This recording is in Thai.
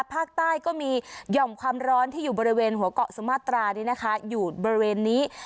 ภาคใต้ก็มีหย่อมความร้อนที่อยู่บริเวณหัวเกาะสุมาตรานี้นะคะอยู่บริเวณนี้